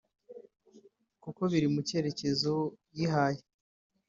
kuko biri mu cyerekezo yihaye